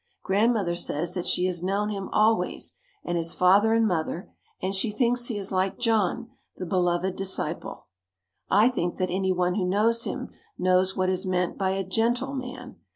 Grandmother says that she has known him always and his father and mother, and she thinks he is like John, the beloved disciple. I think that any one who knows him, knows what is meant by a gentle man.